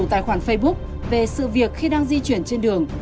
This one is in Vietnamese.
tài khoản facebook về sự việc khi đang di chuyển trên đường